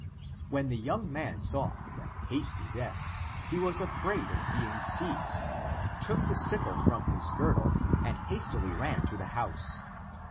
When the young man saw the hasty death, he was afraid of being seized, took the sickle from his girdle, and hastily ran to the house.